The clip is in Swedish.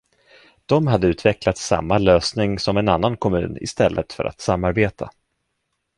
De hade utvecklat samma lösning som en annan kommun istället för att samarbeta.